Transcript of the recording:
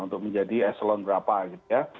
untuk menjadi eselon berapa gitu ya